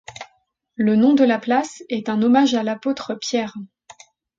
Le nom de la place est un hommage à l’apôtre Pierre.